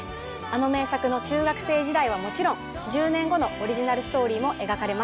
あの名作の中学生時代はもちろん１０年後のオリジナルストーリーも描かれます。